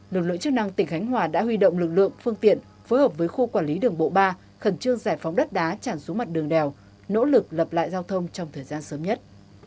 lực lượng chức năng tỉnh khánh hòa đã huy động lực lượng phương tiện phối hợp với khu quản lý đường bộ ba khẩn trương giải phóng đất đá tràn xuống mặt đường đèo nỗ lực lập lại giao thông trong thời gian sớm nhất